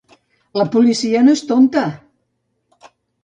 La policia no és tonta!